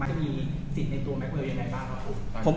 มันจะมีสิทธิ์ในตัวแมคเวอร์ยังไงบ้าง